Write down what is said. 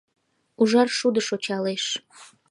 Ужар шудо шочалеш.